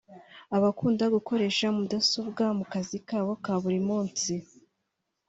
abakunda gukoresha mudasobwa mu kazi kabo ka buri munsi